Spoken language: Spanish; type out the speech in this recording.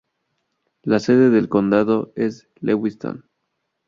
La sede del condado es Lewiston.